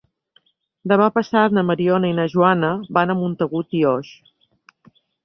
Demà passat na Mariona i na Joana van a Montagut i Oix.